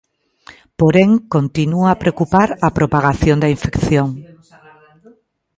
Porén, continúa a preocupar a propagación da infección.